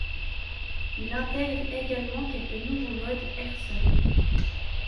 Il intègre également quelques nouveaux modes air-sol.